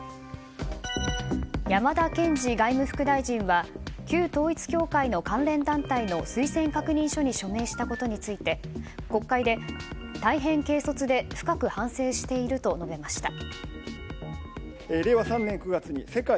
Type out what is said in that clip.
山田賢司外務副大臣は旧統一教会の関連団体の推薦確認書に署名したことについて国会で大変軽率で深く反省していると述べました。